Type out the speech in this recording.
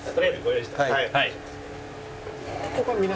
はい。